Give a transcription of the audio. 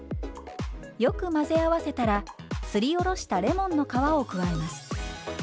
よく混ぜ合わせたらすりおろしたレモンの皮を加えます。